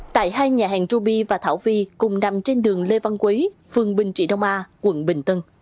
tại hai nhà hàng ruby và thảo vi cùng nằm trên đường lê văn quý phường bình trị đông a quận bình tân